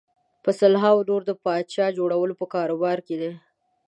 په سلهاوو نور د پاچا جوړولو په کاروبار کې دي.